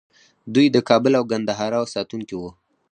دوی د کابل او ګندهارا ساتونکي وو